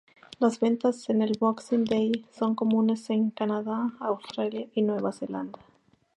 Las ventas en el "Boxing Day" son comunes en Canadá, Australia y Nueva Zelanda.